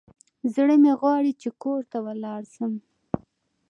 زړه مي غواړي چي کور ته ولاړ سم.